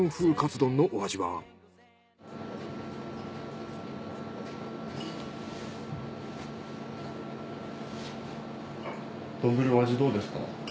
丼のお味どうですか？